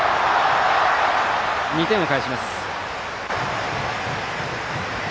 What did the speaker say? ２点を返します。